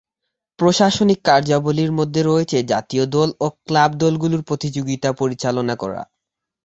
প্রশাসনিক কার্যাবলীর মধ্যে রয়েছে জাতীয় দল ও ক্লাব দলগুলোর প্রতিযোগিতা পরিচালনা করা।